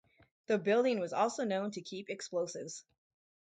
The building was also known to keep explosives.